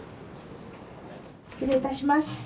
失礼いたします。